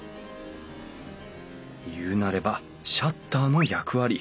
言うなればシャッターの役割。